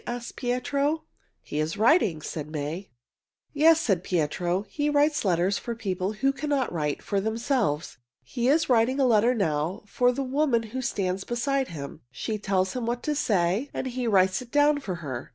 asked Pietro. "He is writing," said May. "Yes," said Pietro. "He writes letters for people who cannot write for themselves. He is writing a letter now for the woman who stands beside him. She tells him what she wants to say and he writes it down for her.